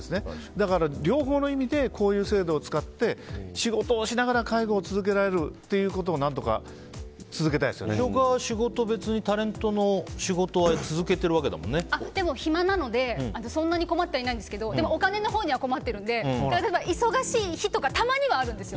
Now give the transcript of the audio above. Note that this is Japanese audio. だから、両方の意味でこういう制度を使って仕事をしながら介護を続けられるということをにしおかはタレントの仕事はでも暇なので、そんなに困ってはいないんですけどお金のほうには困っているので忙しい日とかたまにあるんですよ。